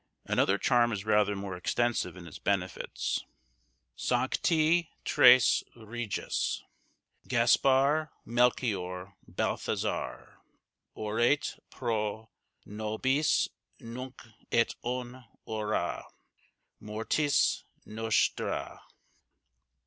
Another charm is rather more extensive in its benefits:— "Sancti Tres Reges Gaspar, Melchior, Belthazar, Orate pro nobis, nunc et en hora Mortis nostræ.